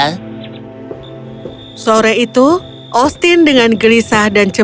letak tangan mampu bertemu sama aku samantha